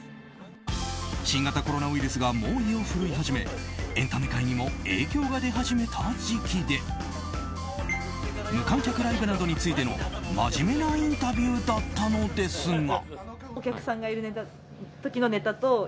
新型コロナウイルスが猛威を振るい始めエンタメ界にも影響が出始めた時期で無観客ライブなどについての真面目なインタビューだったのですが。